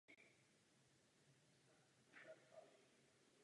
Ve finále skončila na třinácté příčce.